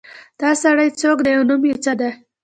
دا سړی څوک ده او نوم یې څه ده